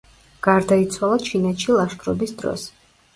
გარდაიცვალა ჩინეთში ლაშქრობის დროს.